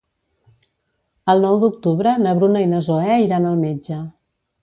El nou d'octubre na Bruna i na Zoè iran al metge.